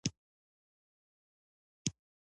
پیرودونکی د انصاف غوښتونکی دی.